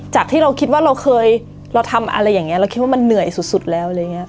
ที่เราคิดว่าเราเคยเราทำอะไรอย่างนี้เราคิดว่ามันเหนื่อยสุดแล้วอะไรอย่างนี้